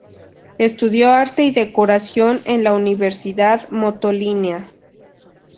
Estudió Arte y Decoración en la Universidad Motolinía.